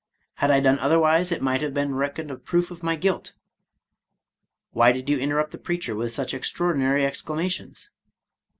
Had I done otherwise, it might have been reck oned a proof of my guilt." " Why did you interrupt the preacher with such extraordinary exclamations